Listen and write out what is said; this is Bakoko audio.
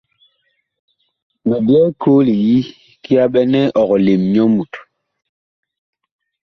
Mi byɛɛ koo li yi kiyaɓɛnɛ ɔg lem nyɔ Mut.